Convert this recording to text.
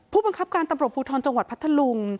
ผู้บังคับการตำรวจภูทรจังหวัดพัทธลุง